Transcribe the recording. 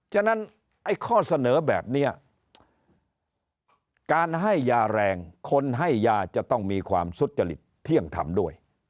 ฉะนั้นไอ้ข้อเสนอแบบนี้การให้ยาแรงคนให้ยาจะต้องมีความสุจริตเที่ยงธรรมด้วย